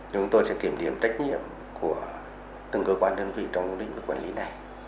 chúng tôi sẽ kiểm điểm trách nhiệm của từng cơ quan đơn vị trong nguồn định của quản lý này